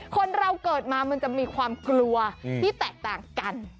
คนเราเกิดมามันจะมีความกลัวที่แตกต่างกัน